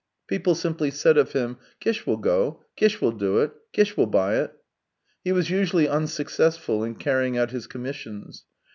People simply said of him: " Kish will go, Kish will do it, Kish will buy it." He was usually unsuccessful in carrying out his commissions.